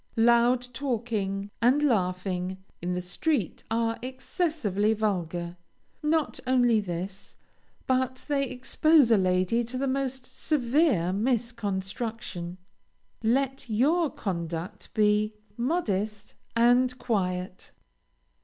Loud talking and laughing in the street are excessively vulgar. Not only this, but they expose a lady to the most severe misconstruction. Let your conduct be modest and quiet.